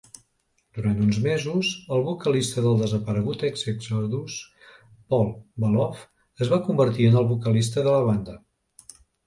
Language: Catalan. Durant uns mesos, el vocalista del desaparegut ex-Exodus Paul Baloff es va convertir en el vocalista de la banda.